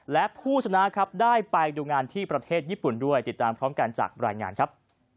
และผู้ชนะครับได้ไปดูงานที่ประเทศญี่ปุ่นด้วยติดตามพร้อมกันจากรายงานครับ